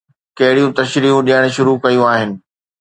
ڪهڙيون تشريحون ڏيڻ شروع ڪيون آهن.